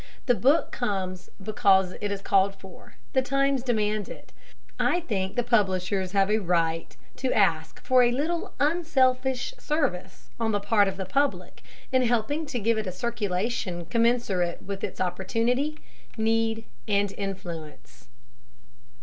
The book comes because it is called for; the times demand it. I think that the publishers have a right to ask for a little unselfish service on the part of the public in helping to give it a circulation commensurate with its opportunity, need, and influence.